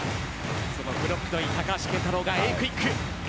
そのブロックのいい高橋健太郎がＡクイック。